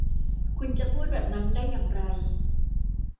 คุณจะพูดแบบนั้นได้อย่างไร ?